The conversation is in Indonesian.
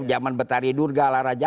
jaman betari durga ala raja